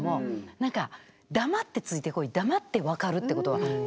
なんか黙ってついてこい黙って分かるってことは無理。